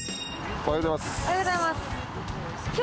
おはようございます。